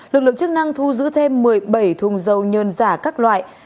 lực lượng chức năng thu giữ thêm một mươi bảy thùng dầu nhơn giả các loại